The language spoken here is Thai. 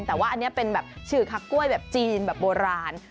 แต่ว่าอันนี้เป็นแบบฉือคักกล้วยแบบจีนแบบโบราณ